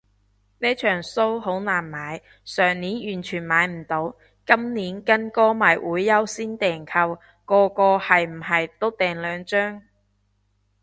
呢場騷好難買，上年完全買唔到，今年跟歌迷會優先訂購，個個係唔係都訂兩張